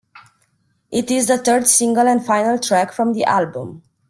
It is the third single and final track from the album.